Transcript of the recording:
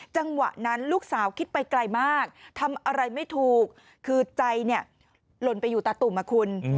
จังหวะนั้นลูกสาวคิดไปไกลมากทำอะไรไม่ถูกคือใจเนี่ยหล่นไปอยู่ตาตุ่มอ่ะคุณ